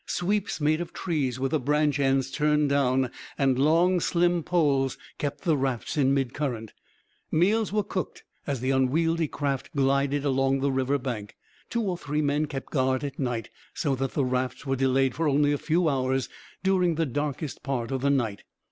Sweeps made of trees with the branch ends turned down and long, slim poles kept the rafts in mid current. Meals were cooked as the unwieldy craft glided along the river bank. Two or three men kept guard at night, so that the rafts were delayed for only a few hours during the darkest part of the night.